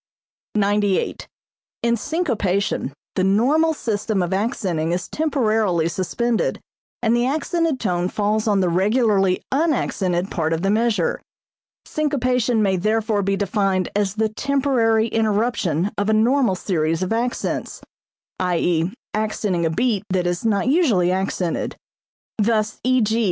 98. In syncopation the normal system of accenting is temporarily suspended and the accented tone falls on the regularly unaccented part of the measure. Syncopation may therefore be defined as the temporary interruption of a normal series of accents, i.e., accenting a beat that is usually not accented. Thus _e.g.